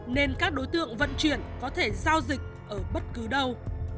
nên các đối tượng vận chuyển có thể giao dịch ở bất cứ đâu